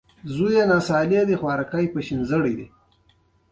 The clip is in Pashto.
د ده ټول ښکلي ملګري یو په یو دي کوچېدلي